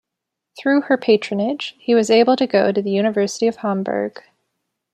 Through her patronage, he was able to go to the University of Hamburg.